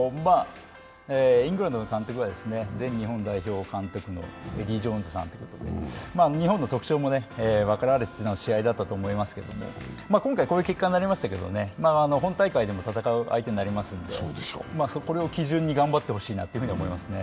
イングランドの監督は全日本監督のエディー・ジョーンズさんということで、日本の特徴も分かられての試合だったと思いますけど、今回、こういう結果になりましたけど本大会でも戦う相手になりますので、これを基準に頑張ってほしいと思いますね。